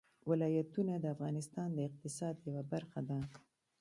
ولایتونه د افغانستان د اقتصاد یوه برخه ده.